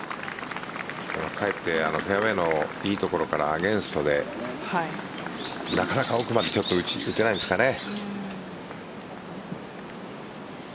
かえってフェアウエーのいいところからアゲンストでなかなか奥まで打てないんですかね。